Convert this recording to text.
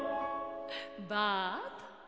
「バート」